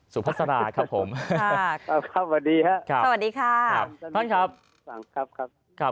สวัสดีครับสวัสดีครับสวัสดีครับสวัสดีครับ